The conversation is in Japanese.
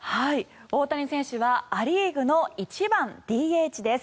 大谷選手はア・リーグの１番ＤＨです。